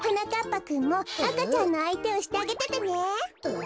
ぱくんもあかちゃんのあいてをしてあげててねえ。